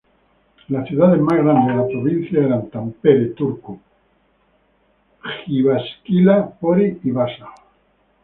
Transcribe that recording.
Las ciudades más grandes de la provincia eran Tampere, Turku, Jyväskylä, Pori y Vaasa.